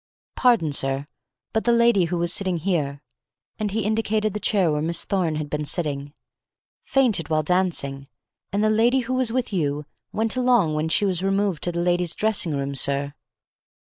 "Pardon, sir, but the lady who was sitting here," and he indicated the chair where Miss Thorne had been sitting, "fainted while dancing, and the lady who was with you went along when she was removed to the ladies' dressing room, sir."